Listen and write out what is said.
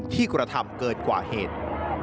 ที่กรธรรมเกิดกว่าเหตุ